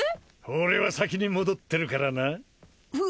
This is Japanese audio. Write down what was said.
俺は先に戻ってるからなふ